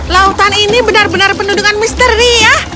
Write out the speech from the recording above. lautan ini benar benar penuh dengan misteri ya